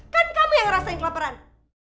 kan kamu yang rasain kelaperan